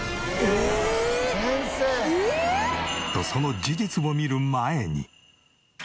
えーっ！？とその事実を見る前に。